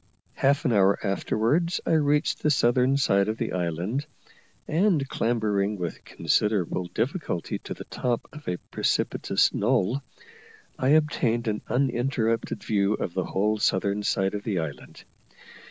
Half an hour afterwards I reached the southern side of the island, and clambering with considerable difficulty to the top of a precipitous knoll, I obtained an uninterrupted view of the whole southern side of the island.